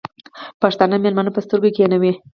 پښتانه مېلمه په سترگو کېنوي.